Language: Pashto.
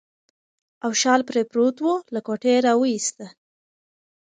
او شال پرې پروت و، له کوټې راوایسته.